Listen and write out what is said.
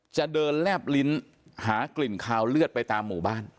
จะเดินแลบลิ้นหากลิ่นคาวเลือดไปตามหมู่บ้าน